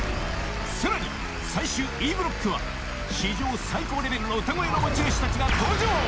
さらに最終Ｅブロックは史上最高レベルの歌声の持ち主たちが登場！